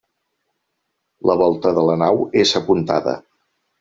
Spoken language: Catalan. La volta de la nau és apuntada.